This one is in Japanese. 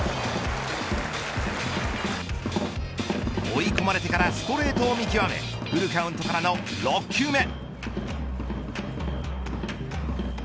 追い込まれてからストレートを見極めフルカウントからの６球目。